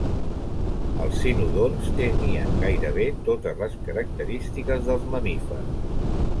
Els cinodonts tenien gairebé totes les característiques dels mamífers.